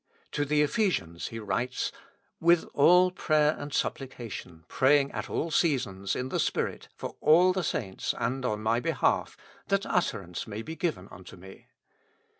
To the Ephesians he writes: "With all prayer and supplication praying at all seasons in the Spirit for all the saints and on my behalf, that utterance may be given unto me."